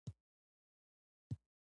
احمد ټول ايران مال په کابل کې اوبه کړ.